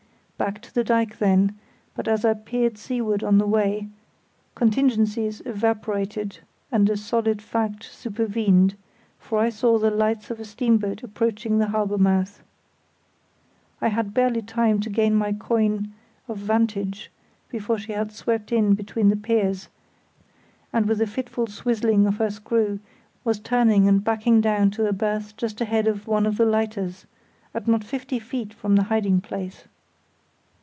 Back to the dyke then; but as I peered seaward on the way, contingencies evaporated and a solid fact supervened, for I saw the lights of a steamboat approaching the harbour mouth. I had barely time to gain my coign of vantage before she had swept in between the piers, and with a fitful swizzling of her screw was turning and backing down to a berth just ahead of one of the lighters, and not fifty feet from my hiding place.